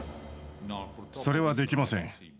それはできません。